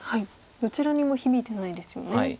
どちらにも響いてないですよね。